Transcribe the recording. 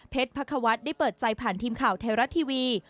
พระควัฒน์ได้เปิดใจผ่านทีมข่าวไทยรัฐทีวี